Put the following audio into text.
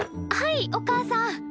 はいおかあさん。